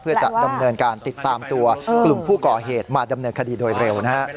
เพื่อจะดำเนินการติดตามตัวกลุ่มผู้ก่อเหตุมาดำเนินคดีโดยเร็วนะฮะ